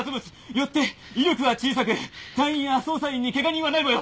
よって威力は小さく隊員や捜査員に怪我人はない模様。